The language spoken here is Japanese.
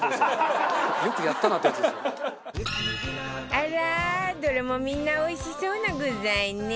あら！どれもみんなおいしそうな具材ね！